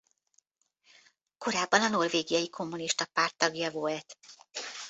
Korábban a Norvégiai Kommunista Párt tagja volt.